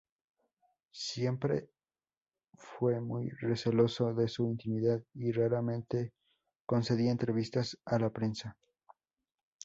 Siempre fue muy receloso de su intimidad y raramente concedía entrevistas a la prensa.